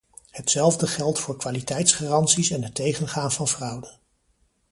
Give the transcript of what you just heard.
Hetzelfde geldt voor kwaliteitsgaranties en het tegengaan van fraude.